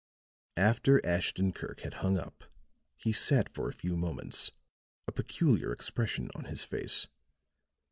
After Ashton Kirk had hung up he sat for a few moments, a peculiar expression on his face.